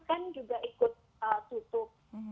kan juga ikut tutup